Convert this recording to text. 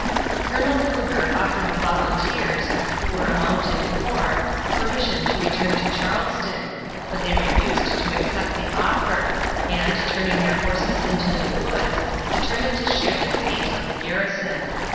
Colonel Cruger offered the volunteers, who were a mounted corps, permission to return to Charleston, but they refused to accept the offer, and, turning their horses into the woods, determined to share the fate of the garrison.